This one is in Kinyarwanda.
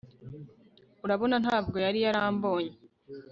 urabona, ntabwo yari yarambonye